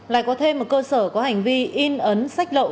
lại có thêm một cơ sở có hành vi in ấn sách lậu